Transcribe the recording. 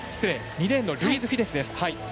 ２レーンのルイーズ・フィデスです。